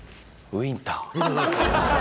ウィンター。